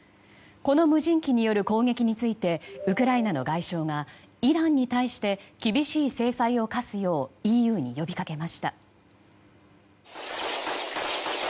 この無人機による攻撃についてウクライナの外相はイランに対して厳しい制裁を科すようＥＵに呼びかけました。